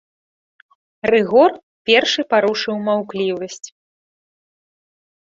Рыгор першы парушыў маўклівасць.